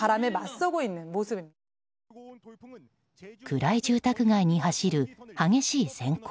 暗い住宅街に走る激しい閃光。